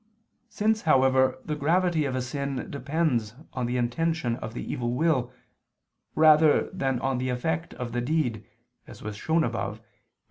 Since, however, the gravity of a sin depends on the intention of the evil will, rather than on the effect of the deed, as was shown above (I II, Q.